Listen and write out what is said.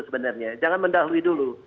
sebenarnya jangan mendahului dulu